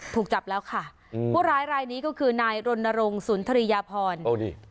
ถูกจับแล้วค่ะอืมผู้ร้ายรายนี้ก็คือนายรณรงค์สุนทรียพรโอ้นี่